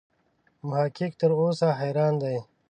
محققین تر اوسه حیران دي.